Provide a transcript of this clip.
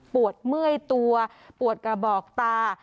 เมื่อยตัวปวดกระบอกตา